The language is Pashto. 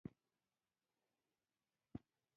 ابو محمد هاشم بن زید سرواني د عربو د شعر کتاب ولیکه.